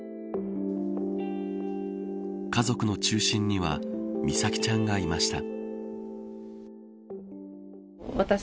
家族の中心には美咲ちゃんがいました。